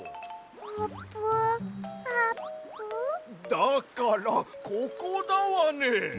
だからここだわね！